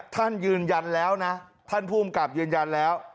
ท่านห์ยืนยันแล้วนะท่านห์พูนกรรมยืนยันแล้ว